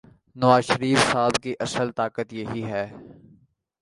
نوازشریف صاحب کی اصل طاقت یہی ہے۔